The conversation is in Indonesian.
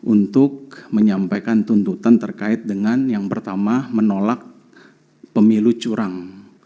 untuk menyampaikan tuntutan terkait dengan yang pertama menolak pemilu curang